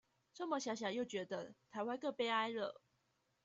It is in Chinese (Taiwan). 這麼想想又覺得台灣更悲哀了